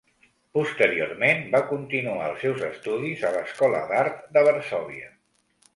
Posteriorment va continuar els seus estudis a l'escola d'art de Varsòvia.